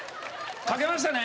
書けましたね？